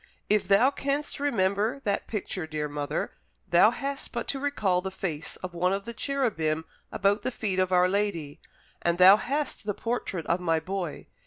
If thou canst remember that picture, dear mother, thou hast but to recall the face of one of the cherubim about the feet of our Lady, and thou hast the portrait of my boy.